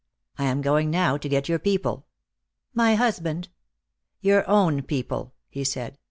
I am going now to get your people." "My husband?" "Your own people," he said.